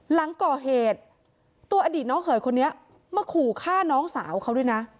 หลังก่อเหตุตัวอดีตน้องเขยคนนี้มาขู่ฆ่าน้องสาวเขาด้วยนะ